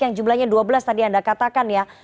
yang jumlahnya dua belas tadi anda katakan ya